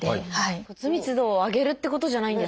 骨密度を上げるってことじゃないんですか？